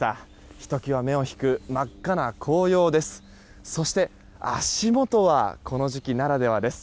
ひときわ目を引く真っ赤な紅葉です。